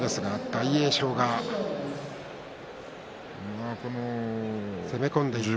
大栄翔が攻め込んでいきました。